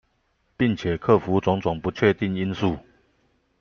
並且克服種種不確定因素